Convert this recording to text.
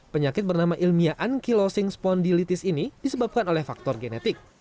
penyakit bernama ilmiah ankilosing spondilitis ini disebabkan oleh faktor genetik